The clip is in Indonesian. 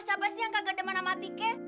siapa sih yang kagak demen sama tike